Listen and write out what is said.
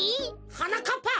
はなかっぱ！